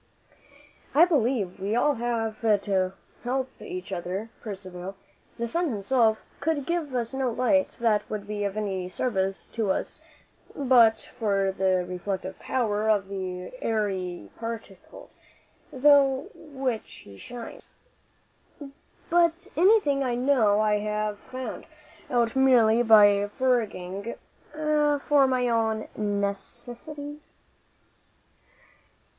"I believe we have all to help each other, Percivale. The sun himself could give us no light that would be of any service to us but for the reflective power of the airy particles through which he shines. But anything I know I have found out merely by foraging for my own necessities."